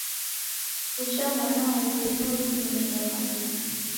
Uja mwanape nuo kimeria mariw'a.